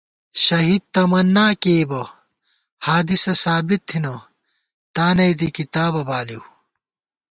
شہید تمنّا کېئیبہ حدیثہ ثابت تھنہ تانَئی دی کِتابہ بالِؤ